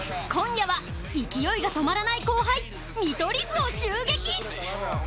今夜は勢いが止まらない後輩見取り図を襲撃！